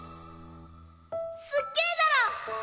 すっげぇだろ！